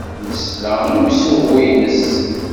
Nesla i usuɣu-nnes.